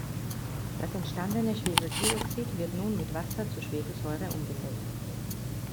Das entstandene Schwefeltrioxid wird nun mit Wasser zu Schwefelsäure umgesetzt.